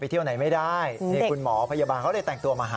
เที่ยวไหนไม่ได้นี่คุณหมอพยาบาลเขาเลยแต่งตัวมาหา